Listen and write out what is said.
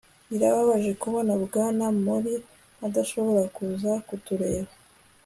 Birababaje kubona Bwana Mori adashobora kuza kutureba